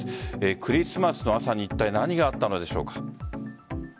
クリスマスの朝にいったい何があったのでしょうか。